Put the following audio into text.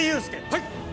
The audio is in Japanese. はい！